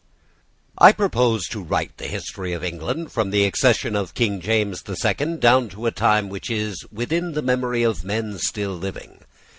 I PURPOSE to write the history of England from the accession of King James the Second down to a time which is within the memory of men still living.